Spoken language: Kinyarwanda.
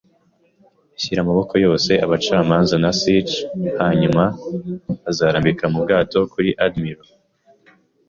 shyira amaboko yose - abacamanza na sich - hanyuma azarambika mu bwato kuri Admiral